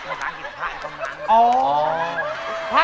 ไม่กินเป็นร้อย